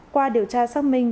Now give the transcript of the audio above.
qua điều tra xác minh